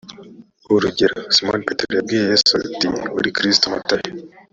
urugero simoni petero yabwiye yesu ati uri kristo matayo